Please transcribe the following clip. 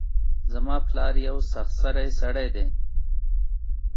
زما پلار یو سخت سرۍ سړۍ ده